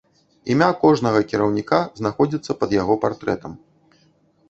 Імя кожнага кіраўніка знаходзіцца пад яго партрэтам.